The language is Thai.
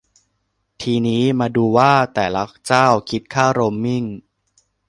ทีนี้มาดูว่าแต่ละเจ้าคิดค่าโรมมิ่ง